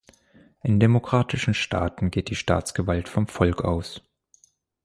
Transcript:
In demokratischen Staaten geht die Staatsgewalt vom Volk aus.